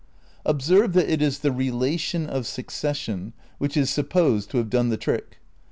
Observe that it is the relation of succession which is supposed to have done the trick.